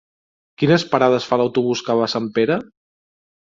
Quines parades fa l'autobús que va a Sempere?